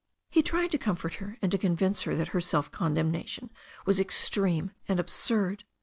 He tried to comfort her, and to convince her that her self condemnation was extreme and absurd.